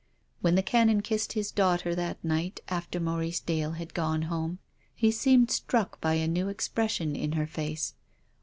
When the Canon kissed his daughter that night, after Maurice Dale had gone home, he seemed struck by a new expression in her face.